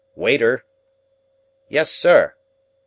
Waiter!" "Yes, sir."